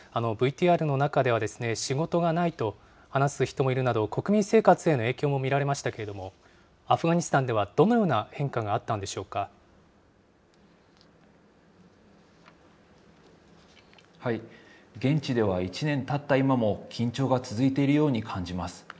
ＶＴＲの中では、仕事がないと話す人もいるなど、国民生活への影響も見られましたけれども、アフガニスタンではどのような変化が現地では１年たった今も、緊張が続いているように感じます。